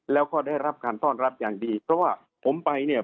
แล้วก็ได้รับการต้อนรับอย่างดีเพราะว่าผมไปเนี่ย